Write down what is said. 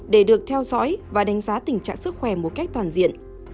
để được theo dõi và đánh giá tình trạng sức khỏe một cách toàn diện